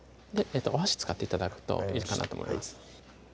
お箸使って頂くといいかなと思います